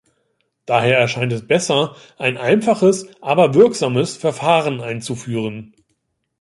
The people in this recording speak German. Daher erscheint es besser, ein einfaches, aber wirksames Verfahren einzuführen.